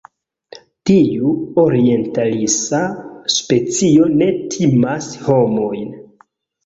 Tiu orientalisa specio ne timas homojn.